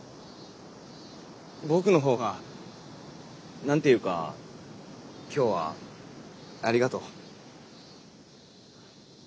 僕の方が何て言うか今日はありがとう。